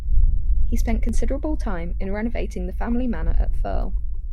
He spent considerable time in renovating the family manor at Firle.